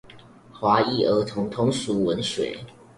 華一兒童通俗文學